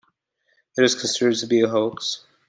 It is considered to be a hoax.